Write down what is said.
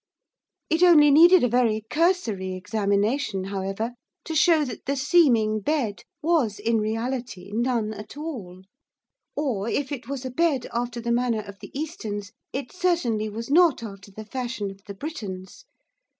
It only needed a very cursory examination, however, to show that the seeming bed was, in reality, none at all, or if it was a bed after the manner of the Easterns it certainly was not after the fashion of the Britons.